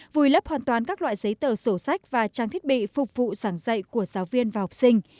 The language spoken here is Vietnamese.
vùi lấp hoàn toàn các loại giấy tờ sổ sách và trang thiết bị phục vụ sảng dạy của giáo viên và học sinh